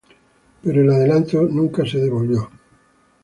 Pero el adelanto nunca fue devuelto.